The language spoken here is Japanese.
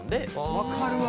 わかるわ。